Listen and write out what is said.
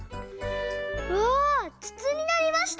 わあつつになりました！